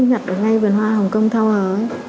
tôi nhặt ở ngay vườn hoa hồng kông thao hờ ấy